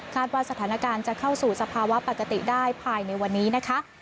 ว่าสถานการณ์จะเข้าสู่สภาวะปกติได้ภายในวันนี้นะคะ